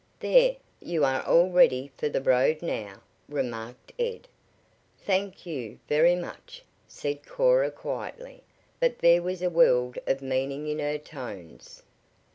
"There you are all ready for the road now," remarked Ed. "Thank you very much," said Cora quietly, but there was a world of meaning in her tones.